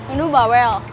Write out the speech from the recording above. ini tuh bawel